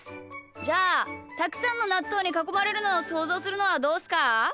じゃあたくさんのなっとうにかこまれるのをそうぞうするのはどうっすか？